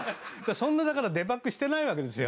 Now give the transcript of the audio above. そんなだからデバッグしてないわけですよ。